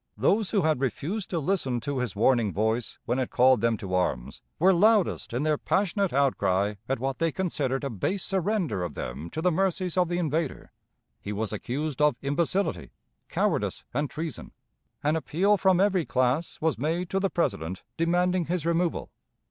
Those who had refused to listen to his warning voice, when it called them to arms, were loudest in their passionate outcry at what they considered a base surrender of them to the mercies of the invader. He was accused of imbecility, cowardice, and treason. An appeal from every class was made to the President demanding his removal.